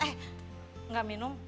eh gak minum